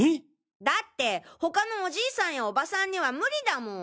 だって他のおじいさんやオバさんには無理だもん！